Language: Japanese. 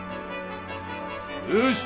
よし！